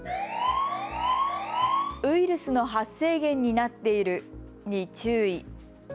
ウイルスの発生源になっているに注意。